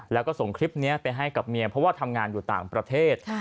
แล้วก็ส่งคลิปนี้ไปให้กับเมียเพราะว่าทำงานอยู่ต่างประเทศ